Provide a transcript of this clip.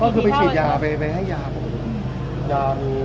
ที่เข้าไปโรงพยาบาล